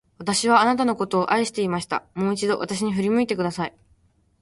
私はあなたのことを愛していました。もう一度、私に振り向いてください。